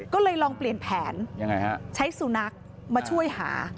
ก็เลยลองเปลี่ยนแผนใช้สุนัขมาช่วยหา